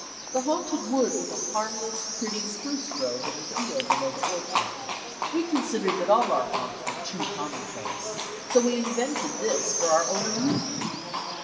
The Haunted Wood was a harmless, pretty spruce grove in the field below the orchard. We considered that all our haunts were too commonplace, so we invented this for our own amusement.